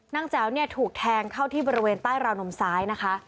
แจ๋วเนี่ยถูกแทงเข้าที่บริเวณใต้ราวนมซ้ายนะคะ